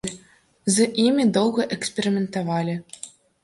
З імі доўга эксперыментавалі.